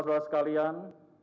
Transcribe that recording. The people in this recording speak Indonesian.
kita semua berharap